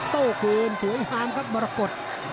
โต้คืนสวยงามครับมรกฏ